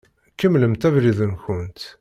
Kemmlemt abrid-nkent.